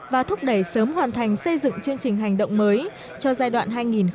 và thúc đẩy sớm hoàn thành xây dựng chương trình hành động mới cho giai đoạn hai nghìn một mươi chín hai nghìn hai mươi ba